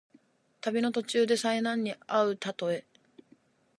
旅の途中で災難にあうたとえ。